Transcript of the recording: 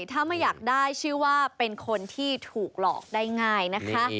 ถ้าไม่อยากได้ชื่อว่าเป็นคนที่ถูกหลอกได้ง่ายนะคะ